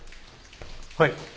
はい。